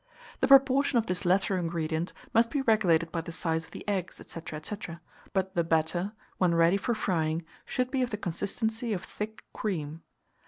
The proportion of this latter ingredient must be regulated by the size of the eggs, &c. &c. but the batter, when ready for frying, should be of the consistency of thick cream.